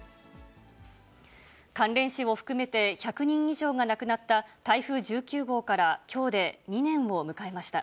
関連死を含めて１００人以上が亡くなった台風１９号からきょうで２年を迎えました。